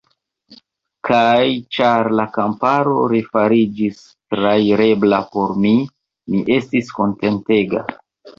Kaj, ĉar la kamparo refariĝis trairebla por mi, mi estis kontentega.